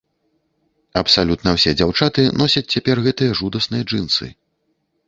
Абсалютна ўсе дзяўчаты носяць цяпер гэтыя жудасныя джынсы.